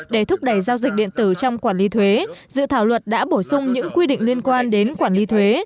để thúc đẩy giao dịch điện tử trong quản lý thuế dự thảo luật đã bổ sung những quy định liên quan đến quản lý thuế